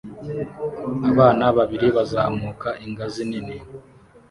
Abana babiri bazamuka ingazi nini